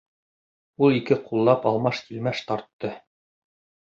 Ул ике ҡуллап алмаш-тилмәш тартты.